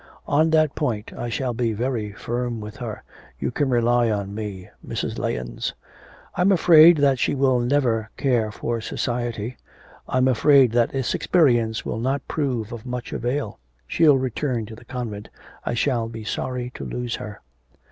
On that point I shall be very firm with her, you can rely on me, Mrs. Lahens.' 'I'm afraid that she will never care for society. I'm afraid that this experience will not prove of much avail. She'll return to the convent, I shall be sorry to lose her.'